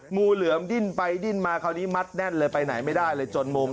งูเหลือมดิ้นไปดิ้นมาคราวนี้มัดแน่นเลยไปไหนไม่ได้เลยจนมุม